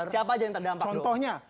siapa aja yang terdampak contohnya